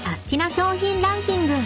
商品ランキング］